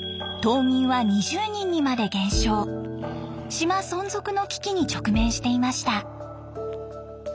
島存続の危機に直面していました。